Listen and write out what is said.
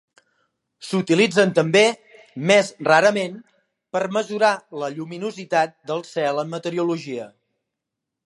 S'utilitzen també, més rarament, per mesurar la lluminositat del cel en meteorologia.